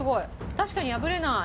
確かに破れない！